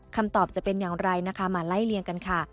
คำตอบจะเป็นอย่างไรนะคะมาไล่เลี่ยงกันค่ะ